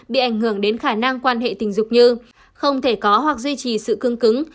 bị ảnh hưởng đến khả năng quan hệ tình dục như không thể có hoặc duy trì sự cương cứng